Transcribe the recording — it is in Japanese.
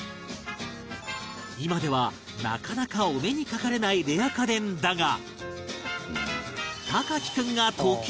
今ではなかなかお目にかかれないレア家電だが